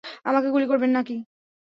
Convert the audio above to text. আমাকে গুলি করবেন নাকি?